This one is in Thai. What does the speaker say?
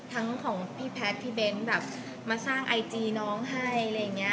ทั้งของพี่แพทย์พี่เบนท์มาสร้างไอจีน้องให้